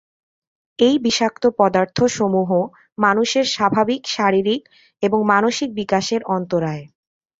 এই বিষাক্ত পদার্থ সমূহ মানুষের স্বাভাবিক শারীরিক এবং মানসিক বিকাশের অন্তরায়।